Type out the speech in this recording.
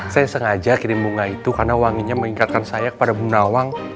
saya sengaja kirim bunga itu karena wanginya mengingatkan saya kepada bungawang